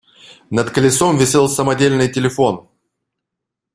Над колесом висел самодельный телефон.